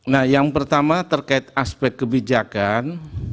nah yang pertama terkait aspek kebijakan